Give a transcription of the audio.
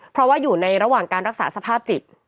เพราะว่าอยู่ในระหว่างการรักษาสภาพจิต